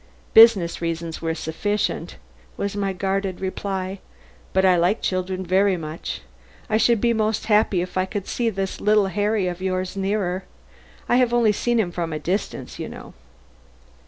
"Business reasons were sufficient," was my guarded reply. "But I like children very much. I should be most happy if I could see this little Harry of yours nearer. I have only seen him from a distance, you know."